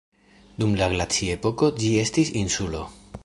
Dum la glaciepoko ĝi estis insulo.